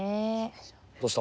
どうした？